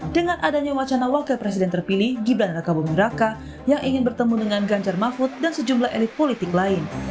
dengan adanya wacana wakil presiden terpilih gibran raka buming raka yang ingin bertemu dengan ganjar mahfud dan sejumlah elit politik lain